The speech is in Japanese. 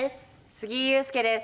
杉井勇介です。